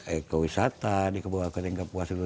eko wisata di kepua ketinggapuas dulu